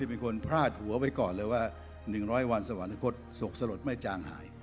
เป็นคนพลาดหัวไว้ก่อนเลยว่า๑๐๐วันสวรรคตศกสลดไม่จางหาย